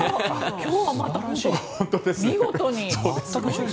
今日はまた見事に。